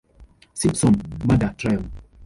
Simpson murder trial.